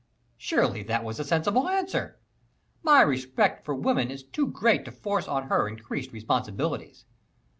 '" "Surely that was a sensible answer. My respect for woman is too great to force on her increased responsibilities.